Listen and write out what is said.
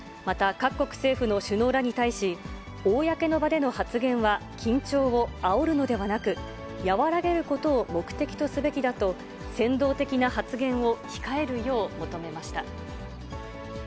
また、各国政府の首脳らに対し、公の場での発言は緊張をあおるのではなく、和らげることを目的とすべきだと、扇動的な発言を控えるよう求めました。